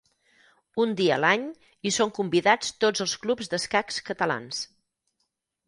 Un dia a l'any hi són convidats tots els clubs d'escacs catalans.